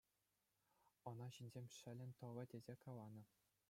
Ӑна ҫынсем Ҫӗлен тӑвӗ тесе каланӑ.